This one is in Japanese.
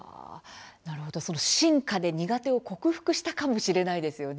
なるほど、進化で苦手を克服したかもしれませんね。